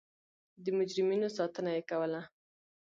د مجرمینو ساتنه یې کوله.